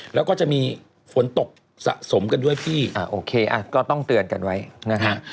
แล้วก็จะมีฝนตกสะสมกันด้วยพี่โอเคอ่ะก็ต้องเตือนกันไว้นะฮะ